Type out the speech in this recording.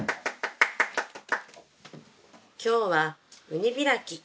「今日は海開き。